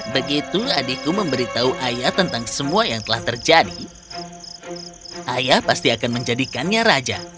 begitu adikku memberitahu ayah tentang semua yang telah terjadi ayah pasti akan menjadikannya raja